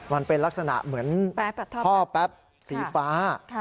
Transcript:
มันเป็นลักษณะเหมือนท่อแป๊บสีฟ้า